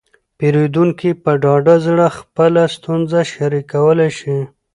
پیرودونکي په ډاډه زړه خپله ستونزه شریکولی شي.